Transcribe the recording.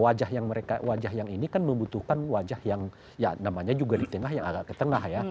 wajah yang mereka wajah yang ini kan membutuhkan wajah yang ya namanya juga di tengah yang agak ke tengah ya